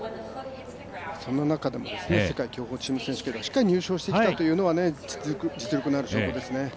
そんな中でも世界競歩チーム選手権ではしっかり入賞をしてきたというのは実力のある証拠ですね。